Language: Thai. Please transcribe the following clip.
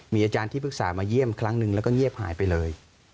มีอาจารย์ที่ปรึกษามาเยี่ยมครั้งหนึ่งแล้วก็เงียบหายไปเลย